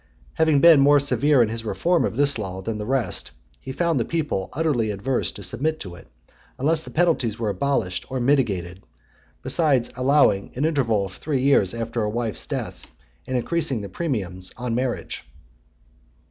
Having been more severe in his reform of this law than the rest, he found the people utterly averse to submit to it, unless the penalties were abolished or mitigated, besides allowing an interval of three years after a wife's death, and increasing the premiums on marriage.